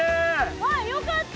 あっよかった！